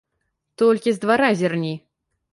Толькі з двара зірні.